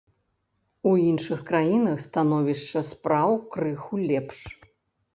У іншых краінах становішча спраў крыху лепш.